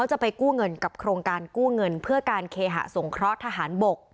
จะไปกู้เงินกับโครงการกู้เงินเพื่อการเคหะสงเคราะห์ทหารบก